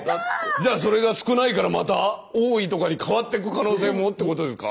じゃあそれが「少ない」からまた「多い」とかに変わっていく可能性もってことですか。